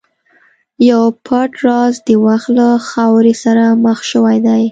یو پټ راز د وخت له خاورې سره ښخ شوی دی.